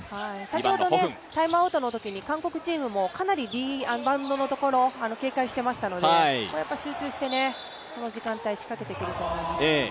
先ほどタイムアウトのときに韓国チームもかなりリバウンドのところ警戒していましたのでやっぱり集中してこの時間帯仕掛けてくると思います。